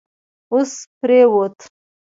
اس پرېووت